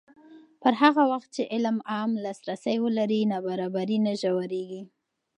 پر هغه وخت چې علم عام لاسرسی ولري، نابرابري نه ژورېږي.